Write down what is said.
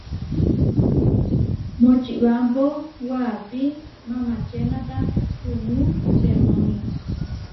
Močibámpo waʼapí mamačénata kumú remónio.